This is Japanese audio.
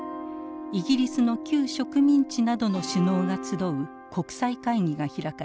イギリスの旧植民地などの首脳が集う国際会議が開かれた。